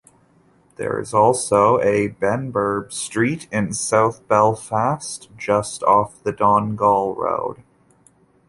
There is also a Benburb Street in south Belfast just off the Donegall Road.